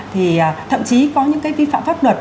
thì thậm chí có những cái vi phạm pháp luật